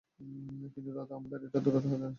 কিন্তু, আমাদের এটা নিয়ে দৌড়াতে হচ্ছে, তাই না?